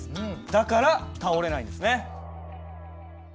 だから倒れないんですね。